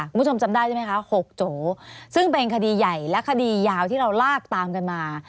คุณผู้ชมจำได้ใช่ไหมคะ๖โจซึ่งเป็นคดีใหญ่และคดียาวที่เราลากตามกันมา